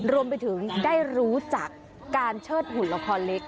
รวมไปถึงได้รู้จักการเชิดหุ่นละครเล็ก